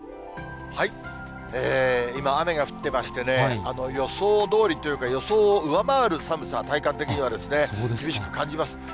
今、雨が降ってましてね、予想どおりというか、予想を上回る寒さ、体感的にはですね、厳しく感じます。